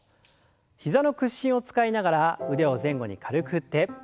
膝の屈伸を使いながら腕を前後に軽く振って。